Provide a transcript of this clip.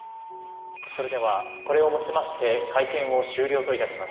それではこれをもちまして会見を終了といたします。